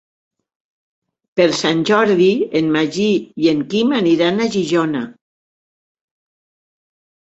Per Sant Jordi en Magí i en Quim aniran a Xixona.